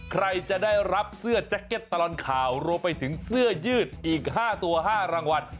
ใครจะได้รับเสื้อแจ็คเก็ตตลอดข่าวรวมไปถึงเสื้อยืดอีก๕ตัว๕รางวัล